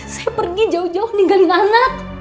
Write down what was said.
saya pergi jauh jauh ninggalin anak